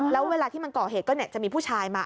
แล้วเวลาที่มันก่อเหตุก็จะมีผู้ชายมา